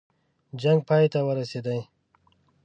جنګ پای ته ورسېدی.